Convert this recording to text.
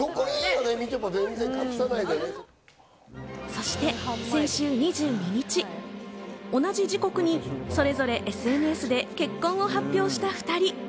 そして先週２２日、同じ時刻にそれぞれＳＮＳで結婚を発表した２人。